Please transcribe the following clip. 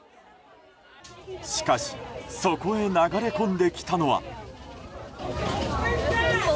しかしそこへ流れ込んできたのは。